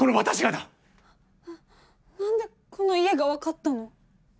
ななんでこの家が分かったの？